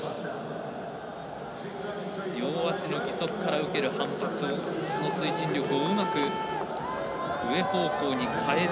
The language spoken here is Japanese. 両足の義足から受ける反発と推進力をうまく上方向に変えて。